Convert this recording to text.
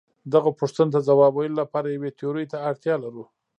دغو پوښتنو ته ځواب ویلو لپاره یوې تیورۍ ته اړتیا لرو.